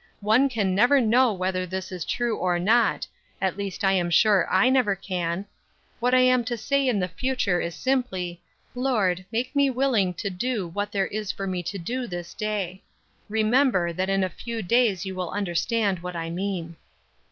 One can never know whether this is true or not; at least I am sure I never can. What I am to say in the future is simply, 'Lord, make me willing to do what there is for me to do this day.' Remember that in a few days you will understand what I mean."